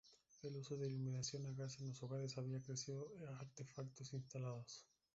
El uso de iluminación a gas en los hogares había crecido a artefactos instalados.